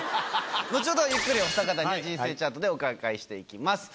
後ほどゆっくりおふた方には人生チャートでお伺いして行きます。